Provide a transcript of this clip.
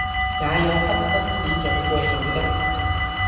也有給紳士掌過嘴的，